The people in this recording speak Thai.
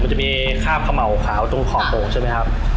มันจะมีคราบเขม่าขาวตรงขอบโอ่งใช่ไหมครับ